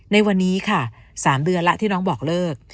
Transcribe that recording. ในวันนี้ค่ะ๓เดือนแล้วที่น้องบอกเลิก